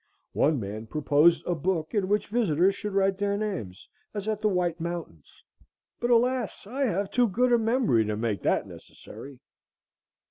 One man proposed a book in which visitors should write their names, as at the White Mountains; but, alas! I have too good a memory to make that necessary.